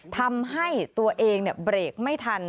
ทำให้ตัวเองเบรกไม่ทัน